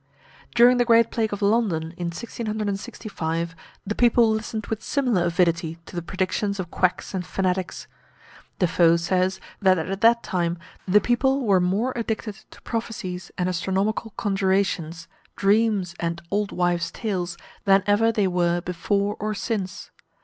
During the great plague of London, in 1665, the people listened with similar avidity to the predictions of quacks and fanatics. Defoe says, that at that time the people were more addicted to prophecies and astronomical conjurations, dreams, and old wives' tales than ever they were before or since.